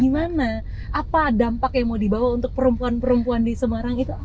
gimana apa dampak yang mau dibawa untuk perempuan perempuan di semarang itu